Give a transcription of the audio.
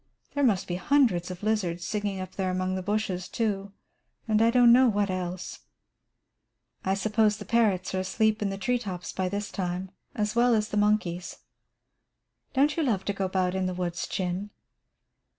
There must be hundreds of lizards singing up there among the bushes, too, and I don't know what else." "I suppose the parrots are asleep in the tree tops by this time, as well as the monkeys. Don't you love to go about in the woods, Chin?"